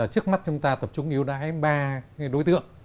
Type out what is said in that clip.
trước mắt chúng ta tập trung yêu đái ba đối tượng